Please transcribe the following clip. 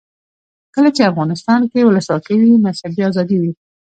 کله چې افغانستان کې ولسواکي وي مذهبي آزادي وي.